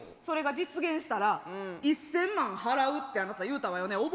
それが実現したら「１，０００万払う」ってあなた言うたわよね。